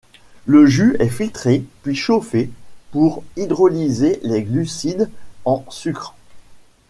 Le jus est filtré, puis chauffé, pour hydrolyser les glucides en sucres.